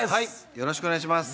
よろしくお願いします。